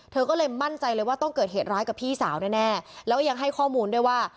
เธอก็เลยมั่นใจเลยว่าต้องเกิดเหตุร้ายกับพี่สาวแน่แล้วยังให้ข้อมูลด้วยว่า